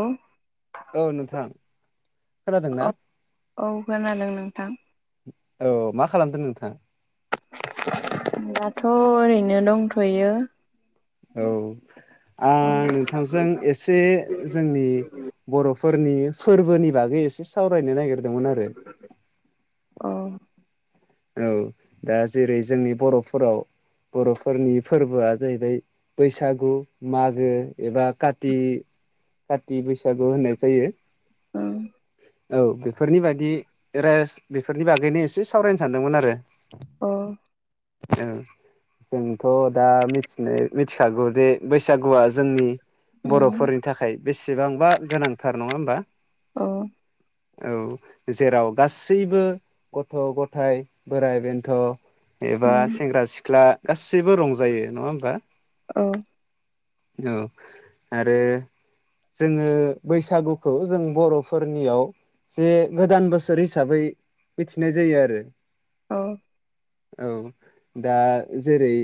औ औ नोंथां खोनादोंना औ औ खोनादों नोंथां। औ मा खालामदों नोंथाङा? दाथ' ओरैनो दंथयो। औ औ आं नोंथांजों एसे जोंनि बर' फोरनि फोरबोनि बागै एसे सावरायनो नागिरदोंमोन आरो अह औ दा जेरै जोंनि बर'फोराव बरफोरनि फोरबोआ जाहैबाय बैसागु मागो एबा काथि बै सागु होननाय जायो औ औ बेफोरनि बादि रेज बेफोरनि बागैनो एसे सावरायनो सानदोंमोन आरो औ। औ। जोंथ' दा मिथिनो मिथिखागौ जे बैसागुआ जोंनि। बर'फोरनि थाखाय बेसेबांबा गोनांथार नङा होमबा। औ औ जेराव गासैबो गथ गथाय बोराइ बेन्थ एबा सेंग्रा सिख्ला गासैबो रंजायो नङा होमबा औ आरो जोंङो बैसागुखौ जों बरफोरनियाव जे गोदान बोसोर हिसाबै मिथिनाय जायो आरो। औ। औ दा जेरै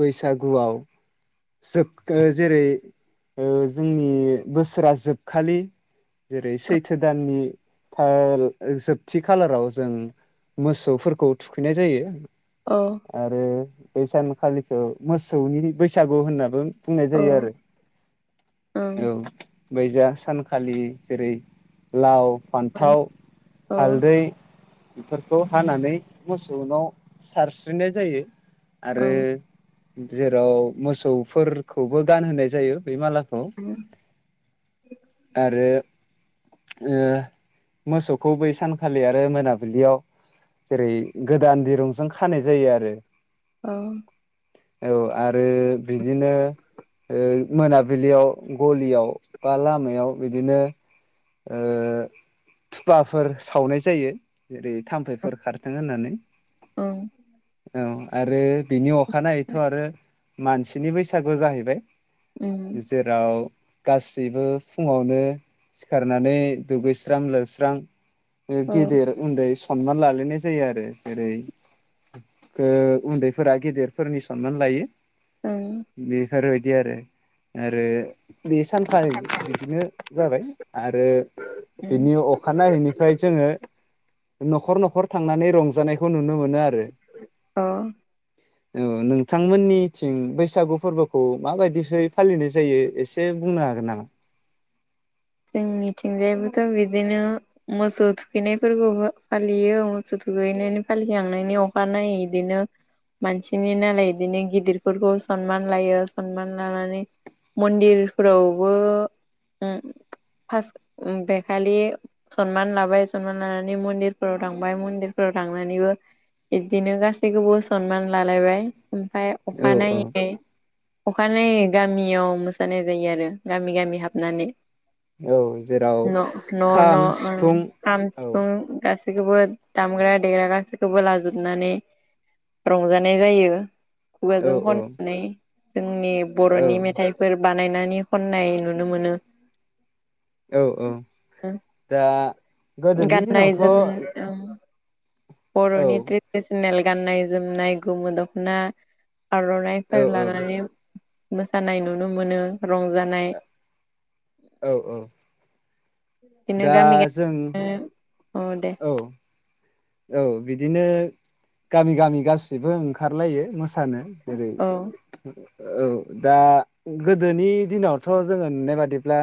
बैसागुआव। सोग जेरै जोंनि बोसोरा जोबखालि जेरै सैथो दाननि जोबथि खालाराव जों मोसौफोरखौ थुखैनाय जायो आरो बे सानखालिखौ मोसौनि बैसागु होननाबो बुंनाय जायो आरो बैजा सानखालि जेरै लाव फान्थाव हालदै बेफोर बे खौ हानानै मोसौनाव सारस्रिनाय जायो आरो। जेराव मोसौफोरखौबो गानहोनाय जायो बै मालाखौ आरो। ओ मोसौखौ बै सानखालि आरो मोनाबिलियाव। जेरै गोदान दिरुंजों खानाय जायो आरो। औ। औ आरो बिदिनो ओ मोनाबिलियाव गलियाव बा लामायाव बिदिनो ओ थुफवाफोर सावनाय जायो जेरै। थाम्फैफोर खारथों होननानै ओं औ आरो बिनि अखानायैथ' आरो मानसिनि बैसागु जाहैबाय। बिसेेराव। गासैबो फुङावनो सिखारनानै दुगैस्रां लोबस्रां औ ओं गेदेर उन्दै सनमान लालायनाय जायो आरो जेरै। ओ उन्दैफोरा गेदेरफोरनि सनमान लायो। ओं। ओरैबायदि आरो बे सानफा बिदिनो जाबाय आरो बेनि उम अखानायैनिफ्राय जोङो न'खर न'खर थांनानै रंजानायखौ नुनो मोनो आरो। अ। औ नोंथांमोननिथिं बैसागु फोरबोखौ माबायदियै फालिनाय जायो एसे बुंनो जागोन नाला। जों मिथिंनायाबोथ बिदिनो मोसौ थुखैनायफोरखौबो फालियो मोसौ थुगैनायनि फालिखांनायनि अखा नायै बिदिनो। मानसिनि नालाय बिदिनो गिदिरफोरखौ सनमान लायो सनमान लानानै मन्दिरफोरावबो उम फास उ बेखालि सनमान लाबाय सनमान लानानै मन्दिरफोराव थांबाय मनदिर। [inaudible] थांनानैबो बिदिनो गासैखौबो सनमान लालायबाय ओमफाय औ औ अखानायै। अखानायै गामियाव मोसानाय जायो आरो गामि गामि हाबनानै । औ जेराव न न' खाम न' ओम सिफुं खाम, औ सिफुं गासै गासैखौबो दामग्रा देग्रा गासैखौबो लाजोबनानै रंजानाय जायो । औ खुगाजों औ खननानै जोंनि औ बर'नि मेथाइफोर बानायनानै खननाय नुनो मोनो । औ औ दा गोदोनि गाननाय जोम दिनावथ' बर'नि औ ट्रेडिसनेल गाननाय जोमनाय गोमो दख'ना आरनाय फोर औ लानानै मोसानाय नुनो मोनो रंजानाय । औ औ । बिनो गामि गामि [unintelligible] औ दे । औ बिदिनो गामि गामि गासिबो ओंखारलायो मो सानो जेरै औ औ दा गोदोनि दिनावथ' जोङो नुनाय बादिब्ला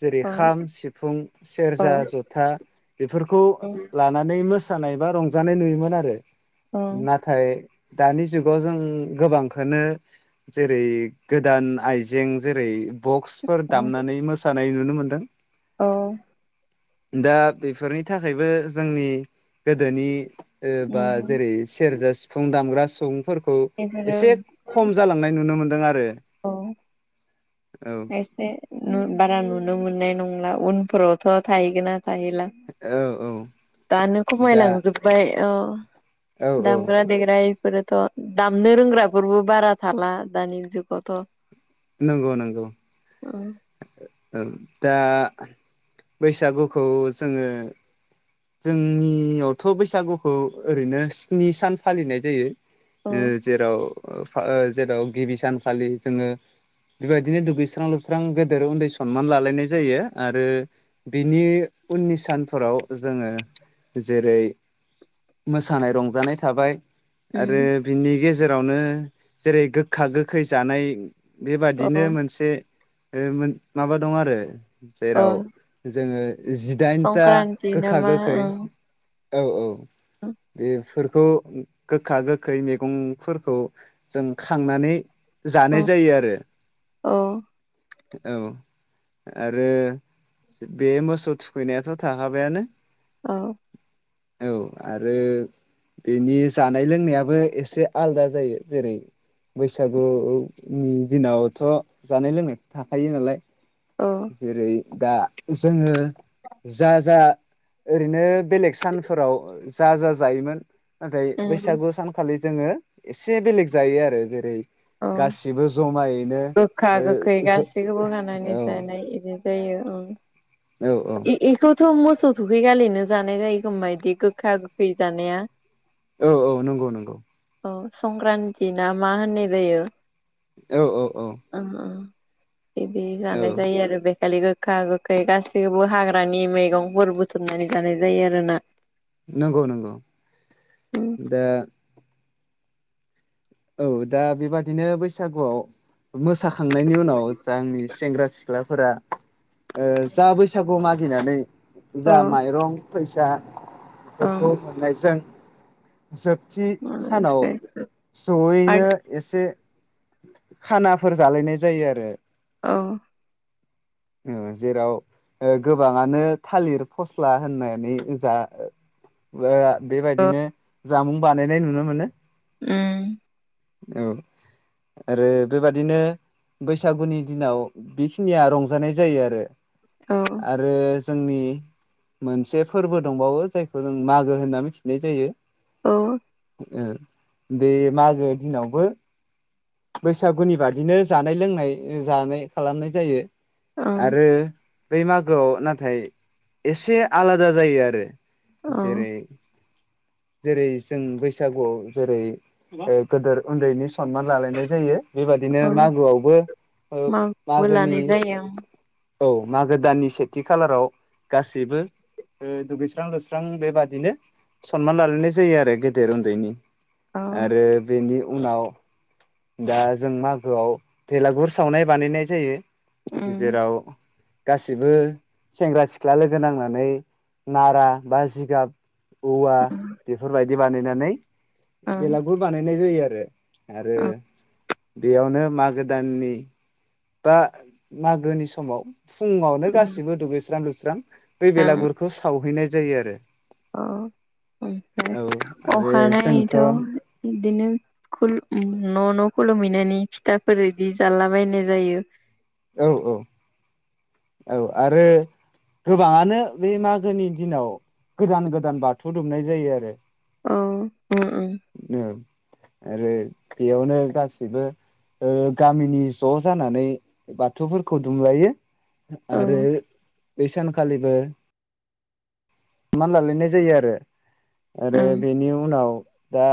जेरै औ खाम, सिफुं, औ सेरजा, जथा बेफोरखौ लानानै मो मोसानाय बा रंजानाय नुयोमोन आरो औ नाथाय दानि जुगाव जों गोबांखौनो जेरै गोदान आइजें जेरै बक्सफोर औ दामनानै मोसानाय नुनो मोन्दों । औ । दा बेफोरनि थाखायबो जोंनि गोदोनि ओ बा जेरै सेरजा, सिफुं दामग्रा सुबुं फोरखौ बेफोरो एसे खम जालांनाय नुनो मोनदों आरो । औ दा एसे नु बारा नुनो मोननाय नङ उनफोरावथ' थायोैगोना थाहैला औ औ । दानो दा खमायलांजोबबाय अ औ औ दामग्रा देग्रा इफोरो थ' दामनो रोंग्राफोरबो बारा थाला दानि जुगावथ' नंगौ नंगौ । औ । औ दा बैसागुखौ जोङो जोंनियावथ' बैसागुखौ ओरैनो स्नि सान फालिनाय जायो औ । ओ जेराव [unintelligible] जेराव गिबि सानखालि जोङो बेबायदिनो दुगैस्रां लोब [unintelligible] गेदेर उन्दै सनमान लालायनाय जायो आरो बिनि उननि सानफोराव ज जोङो जेरै मोसानाय रंजानाय थाबाय आरो बिनि गेजेरावनो जेरै गोखा गोखै जानाय । बेबादिनो मोनसे ओ माबा दं आरो । औ जेराव जोङो जिदाइनथा संक्रान्ति गोखा नामा गोखै औ औ औ बे फोरखौ गोखा गोखै मैगं'फोरखौ जों खांनानै जानाय औ जायो आरो औ औ । आरो बे मोसौ थुखैनायाथ' थाखाबायानो । औ । औ आरो बेनि जानाय लोंनायाबो एसे आलदा जायो जेरै बैसागुनि दिनावथ' जानाय लोंनायखौ थाखायो नालाय औ जेरै दा जोङो जा जा ओरैनो बेलेग सानफोराव जा जा जायोमोन नाथाय बैसागु सानखालि जोङो एसे बेलेग जायो आरो जेरै औ गासिबो जमायैनो गोखा गोखै गासैखौबो खानानै जानाय बिदि जायो। औ औ औ एखौथ' मोसौ दुगैखालिनो जानाय जायोखोमबा बिदि गोखा गोखै जानाया। औ औ नंगौ नंगौ। औ संक्रान्ति ना मा होननाय जायो। औ औ औ। ओं ओं बिदि जाना औ जायो आरो बेखलि ग- गोखा गोखै गासैखौबो हाग्रानि मैगंफोर बुथुमनानै जानाय जायो आरो ना। नंगौ नंगौ दा। औ दा बेबादिनो बैसागुआव मोसाखांनायनि उनाव ज आंनि सेंग्रा सिख्ला सिख्लाफोरा जा बैसागु मागिनानै औ जा माइरं ओं फैसाफोरखौ मोननायजों जोबथि सानाव लोगोसे जयैनो आरो एसे खानाफोर जालायनाय जायो आरो। औ। जेराव गोबाङानो थालिर फस्ला होननानै जा औ बेबायदिनो जामुं बानायनाय नुनो मोनो। ओम। औ। आरो बेबादिनो बैसागुनि दिनाव बेखिनिया रंजानाय जायो आरो। औ आरो जोंनि मोनसे फोरबो दंबावो जायखौ जों मागो होनना मिथिनाय जायो। औ। बे मागो दिनावबो बैसागुनि बादिनो जानाय लोंनाय जानाय खालामनाय जायो। ओं आरो बै मागोआव नाथाय एसे आलादा जायो आरो। औ जेरै जेरै जों बैसागुआव जेरै गदेर उन्दैनि सनमान लालायनाय जायो। बेबादिनो औ मागोआवबो मागोबो मागोनि लानाय जायो औ मागो दाननि सेथि खालाराव गासैबो दुगैस्रां लुस्रां बेबादिनो सनमान लालायनाय जायो आरो गेदेर उन्दैनि औ आरो बेनि उनाव दा जों मागोआव बेलागुर सावनाय बानायनाय जायो। उम जेराव गाैबो सेंग्रा सिख्ला लोगो नांनानै नारा बा जिगाब औवा ओं बेफोरबायदि बानायनानै ओं बेलागुर बानायनाय जायो आरो आरो बेयावनो मागो दाननि बा मागोनि समाव फुङावनो ओं गासिबो दुगैस्रां लुस्रां बे बेलागुरखौ सावहैनाय जायो आरो अ। ओमफ्राय औ आरो जोंथ' अखानायैथ' बिदिनो खुलुम न' न' खुलुमहैनानै फिथाफोर इदि जाला बायनाय जायो। औ औ औ आरो गोबाङानो बे मागोनि दिनाव गोदान गोदान बाथौ दुमनाय जायो आरो। औ ओम ओम। आरो बेयावनो गासैबो गामिनि ज' जानानै बाथौफोरखौ दुमलायो औ आरो बै सानखालिबो माना लिरनाय जायो आरो आरो ओं बेनि उनाव दा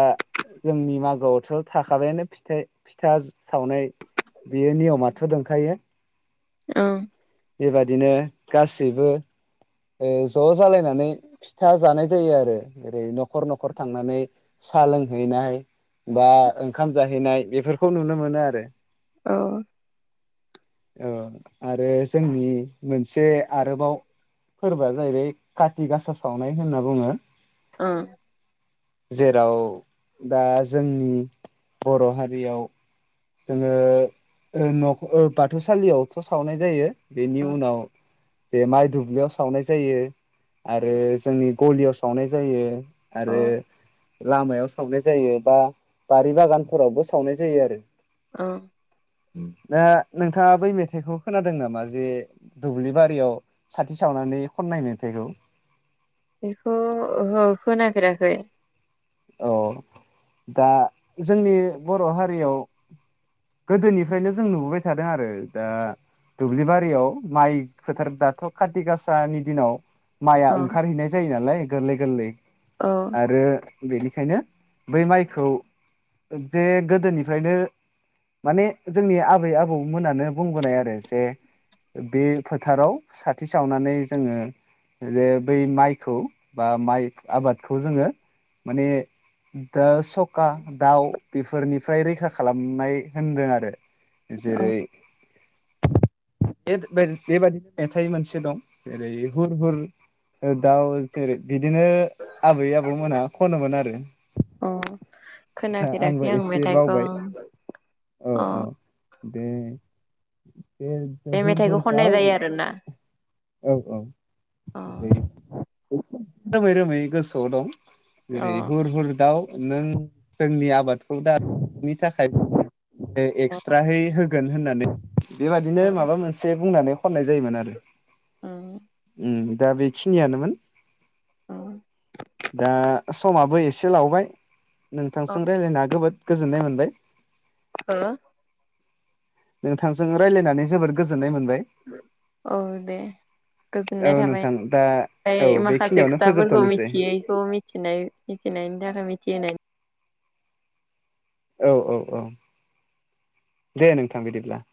जोंनि मागोआवथ' थाखाबायानो फिथाइ फिथा सावनाय बेयो नियम' । थु दुंखायो ओं बेबादिनो गासैबो ओ ज' जालायनानै फिथा जानाय जायो आरो ओरै न'खर न'खर थांनानै साहा लोंहैनाय बा ओंखाम जाहैनाय बेफोरखौ नुनो मोनो आरो। औ । औ आरो जोंनि मोनसे आरोबाव । फोरबोआ जाहैबाय काति गासा सावनाय होनना बुङो। ओं जेराव दा जोंनि बर' हारियाव जोङो । ओ न'ओ बाथौसालियावथ' सावनाय जायो बेनि अ उनाव एमाइ धुबलियाव सावनाय जायो आरो जोंनि गलियाव सावनाय जायो अ आरो लामायाव सावनाय जायो बा बारि बागानफोरावबो सावनाय जायो आरो औ । दा नोंथाङा बै मेथाइखौ खोनादों नामा जे दुब्लि बारियाव सा सावनानै खननाय मेथाइगौ बेखौ ओहो खोनाफेराखै । औ दा जोंनि बर' हारियाव गोदोनिफ्रायनो जों नुबोबाय थादों आरो दा दुब्लि बारियाव माइ फो दाथ' खारथिगासानि दिनाव माइआ अ ओंखारहैनाय जायो नालाय गोरलै गोरलै औ आरो बेनिखायनो बै माइखौ जे गोदोनिफ्रायनो माने जोंनि आबै आबौमोनानो बुंबोनाय आरो जे ओ बे फोथाराव साथि सावनानै जोङो जे बै माइखौ बा माइ आबादखौ जोङो माने दा सखा दाउ बेफोरनिफ्राय रैखा खालामनाय होनदों आरो अ जेरै बेबाददिनो मेथाइ मोनसे दं जेरै हुर हुर ओ दाउ जेरै बिदिनो आबै आबौमोना खनोमोन आरो दा खोनाफेराखै आंबो आं एसे मेथाइखौ बावबाय औ औ अ । बे बे हुर हुर मेथाइखौ खननाय दाव जायो आरोना औ औ अ बे रोमै रोमै गोसोआव दं जेरै अ हुर हुर दाउ नों जोंनि आबादखौ दानि थाखाय । ओ अ एक्सट्राहै होगोन होननानै बेबादिनो माबा मोनसे बुंनानै खननाय जायोमोन आरो ओं उम दा बेखिनियानोमोन ओं दा समाबो एसे लावबाय अ नोंथांजों रायजलायना जोबोद गोजोननाय मोनबाय। हो नोंथांजों रायलायनानै जोबोर गोजोन औ दे गोजोननाय औ थाबाय नोंथां दा । औ ओमफ्राय माखासे बेखिनियावनो खोथाफोरखौ फोजोबथ'नोसै मिथियैखौ मि मिथिनायनि थाखाय मिथिहोनाय औ औ औ दे नोंथां बिदिब्ला । [inaudible]